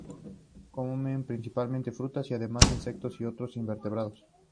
Comen principalmente frutas y además insectos y otros invertebrados.